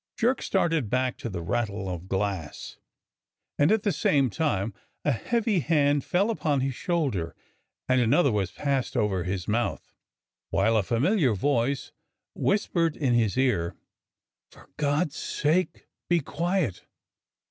Jerk started back to the rattle of glass, and at the same time a heavy hand fell upon his shoulder, and another was passed over his mouth, while a familiar voice whispered in his ear :" For God's sake be quiet!